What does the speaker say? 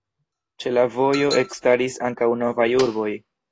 Ĉe la vojo ekstaris ankaŭ novaj urboj.